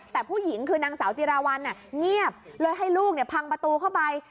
แต่ผู้หญิงคือนางสาวจิราวัลเงียบเลยให้ลูกพังประตูเข้าไป